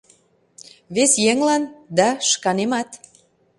Вес еҥлан да шканемат.